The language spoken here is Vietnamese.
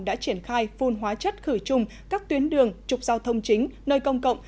đã triển khai phun hóa chất khử trùng các tuyến đường trục giao thông chính nơi công cộng